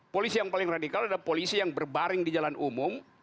polisi yang paling radikal ada polisi yang berbaring di jalan umum